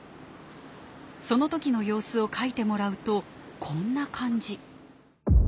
その時の様子を描いてもらうとこんな感じ。